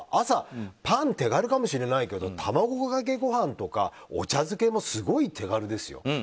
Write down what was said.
朝、パンって手軽かもしれないけど卵かけご飯やお茶漬けもすごい手軽ですよ。